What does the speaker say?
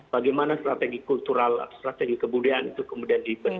bagaimana strategi kultural strategi kebudayaan itu kemudian diberikan